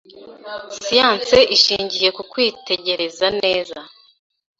Siyanse ishingiye ku kwitegereza neza.